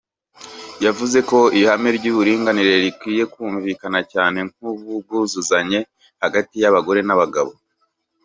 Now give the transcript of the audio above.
yavuze ko ihame ry’uburinganire rikwiye kumvikana cyane nk’ubwuzuzanye hagati y’abagore n’abagabo